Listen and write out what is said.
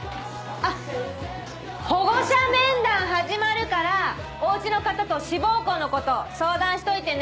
あっ保護者面談始まるからお家の方と志望校のこと相談しといてね。